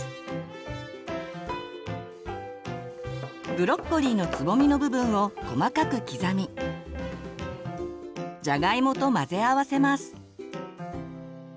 ブロッコリーのつぼみの部分を細かく刻みじゃがいもと混ぜ合わせます。